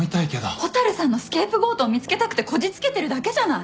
蛍さんのスケープゴートを見つけたくてこじつけてるだけじゃない！